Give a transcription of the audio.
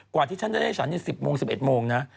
ที่ฉันจะได้ฉัน๑๐โมง๑๑โมงนะ